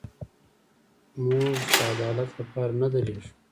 موږ د عدالت لپاره نه درېږو.